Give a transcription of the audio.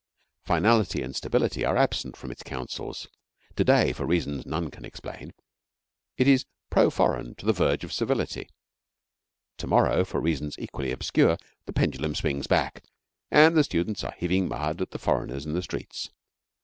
Finality and stability are absent from its councils. To day, for reasons none can explain, it is pro foreign to the verge of servility. To morrow, for reasons equally obscure, the pendulum swings back, and the students are heaving mud at the foreigners in the streets.